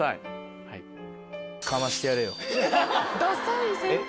ダサい先輩。